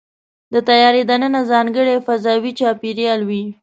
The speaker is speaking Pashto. د طیارې دننه ځانګړی فضاوي چاپېریال وي.